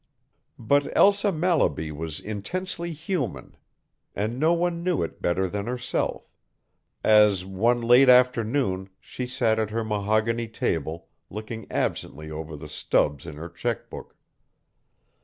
But Elsa Mallaby was intensely human, and no one knew it better than herself, as, one late afternoon, she sat at her mahogany table, looking absently over the stubs in her check book.